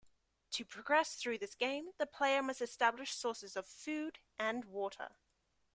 To progress through this game the player must establish sources of food and water.